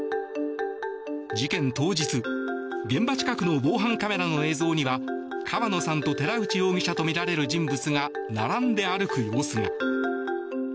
事件当日現場近くの防犯カメラの映像には川野さんと寺内容疑者とみられる人物が並んで歩く様子が。